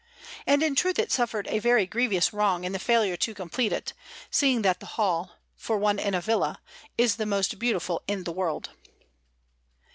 And in truth it suffered a very grievous wrong in the failure to complete it, seeing that the hall, for one in a villa, is the most beautiful in the world.